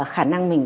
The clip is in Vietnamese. khả năng mình